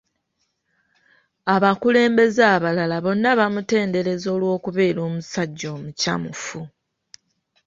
Abakulembeze abalala bonna bamutenderezza olw'okubeera omusajja omukyamufu.